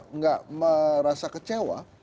enggak merasa kecewa